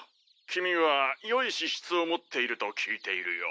君は良い資質を持っていると聞いているよ。